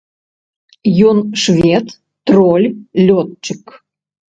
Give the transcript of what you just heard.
Ён швед, троль, лётчык.